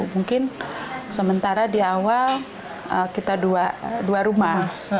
mungkin sementara di awal kita dua rumah